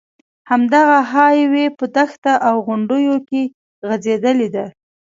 همدغه های وې په دښته او غونډیو کې غځېدلې ده.